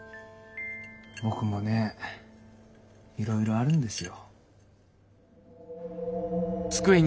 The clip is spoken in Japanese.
僕もねいろいろあるんですよ。